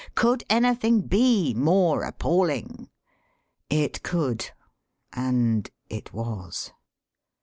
Could anything be more appalling? It could, and it was!